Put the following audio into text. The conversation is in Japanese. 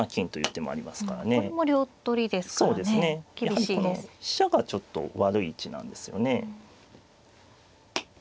やはりこの飛車がちょっと悪い位置なんですよね。